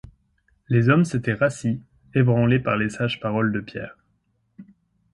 Les hommes s'étaient rassis, ébranlés par les sages paroles de Pierre.